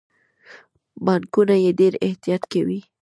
بانکونه یې ډیر احتیاط کوي.